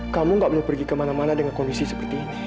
kamu gak boleh pergi kemana mana dengan kondisi seperti ini